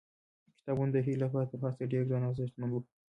کتابونه د هیلې لپاره تر هر څه ډېر ګران او ارزښتمن وو.